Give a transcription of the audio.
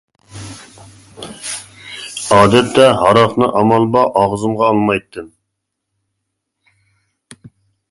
ئادەتتە ھاراقنى ئامال بار ئاغزىمغا ئالمايتتىم.